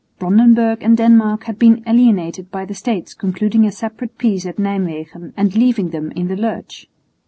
Brandenburg and Denmark had been alienated by the States concluding a separate peace at Nijmwegen and leaving them in the lurch.